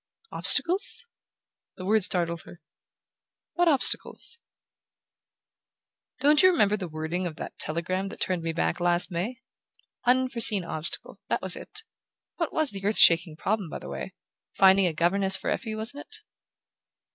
"Obstacles?" The word startled her. "What obstacles?" "Don't you remember the wording of the telegram that turned me back last May? 'Unforeseen obstacle': that was it. What was the earth shaking problem, by the way? Finding a governess for Effie, wasn't it?"